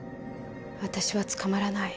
私は捕まらない。